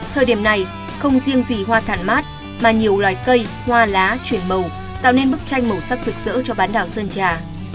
thời điểm này không riêng gì hoa thàn mát mà nhiều loài cây hoa lá chuyển màu tạo nên bức tranh màu sắc rực rỡ cho bán đảo sơn trà